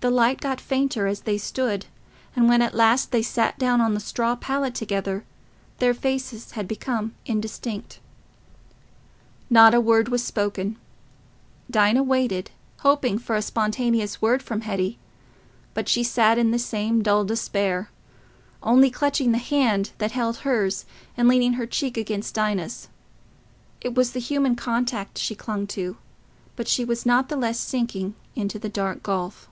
The light got fainter as they stood, and when at last they sat down on the straw pallet together, their faces had become indistinct. Not a word was spoken. Dinah waited, hoping for a spontaneous word from Hetty, but she sat in the same dull despair, only clutching the hand that held hers and leaning her cheek against Dinah's. It was the human contact she clung to, but she was not the less sinking into the dark gulf.